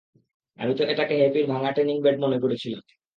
আমি তো এটাকে হ্যাপির ভাঙ্গা ট্যানিং বেড মনে করেছিলাম।